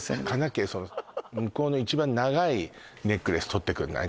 その向こうの一番長いネックレス取ってくんない？